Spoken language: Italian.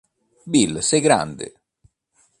Bill sei grande!